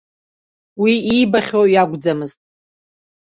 Уи иибахьоу иакәӡамызт.